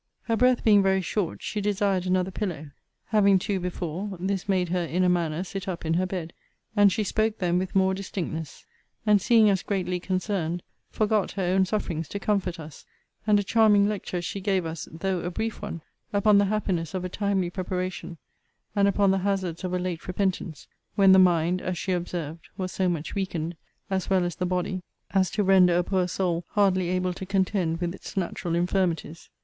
Her breath being very short, she desired another pillow. Having two before, this made her in a manner sit up in her bed; and she spoke then with more distinctness; and, seeing us greatly concerned, forgot her own sufferings to comfort us; and a charming lecture she gave us, though a brief one, upon the happiness of a timely preparation, and upon the hazards of a late repentance, when the mind, as she observed, was so much weakened, as well as the body, as to render a poor soul hardly able to contend with its natural infirmities.